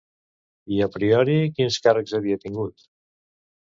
I a priori quins càrrecs havia tingut?